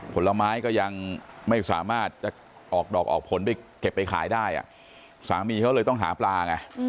ผลไม้ก็ยังไม่สามารถจะออกดอกออกผลไปเก็บไปขายได้สามีเขาเลยต้องหาปลาไง